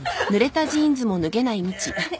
あれ？